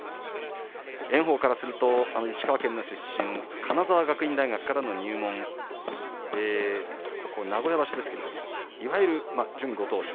炎鵬からすると石川県の出身金沢学院大学からの入門、名古屋場所ですけれどもいわゆる準ご当所